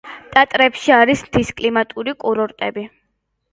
ტატრებში არის მთის კლიმატური კურორტები.